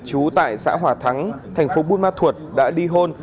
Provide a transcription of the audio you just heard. chú tại xã hòa thắng thành phố buôn ma thuột đã đi hôn